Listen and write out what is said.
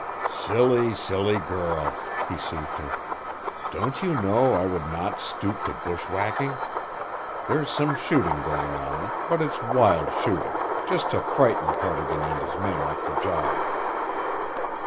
"Silly, silly girl!" he soothed her. "Don't you know I would not stoop to bush whacking? There's some shooting going on, but its wild shooting, just to frighten Cardigan and his men off the job."